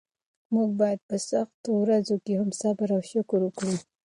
موږ باید په سختو ورځو کې هم صبر او شکر وکړو.